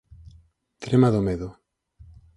Trema do medo